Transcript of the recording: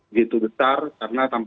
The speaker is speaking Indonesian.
begitu besar karena